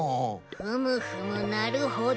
ふむふむなるほど。